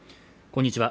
こんにちは